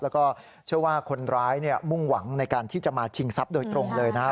แล้วก็เชื่อว่าคนร้ายมุ่งหวังในการที่จะมาชิงทรัพย์โดยตรงเลยนะครับ